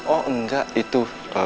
oh enggak itu